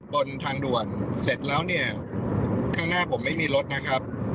บนทางด่วนเสร็จแล้วเนี่ยข้างหน้าผมไม่มีรถนะครับ